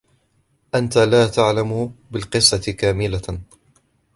أنت لا تعلم بالقصة كاملة.